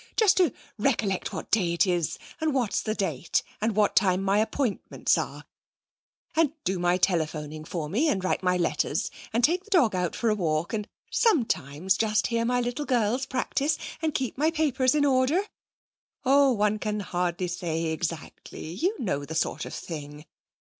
'Just to recollect what day it is, and what's the date, and what time my appointments are, and do my telephoning for me, and write my letters, and take the dog out for a walk, and sometimes just hear my little girls practise, and keep my papers in order. Oh, one can hardly say exactly you know the sort of thing.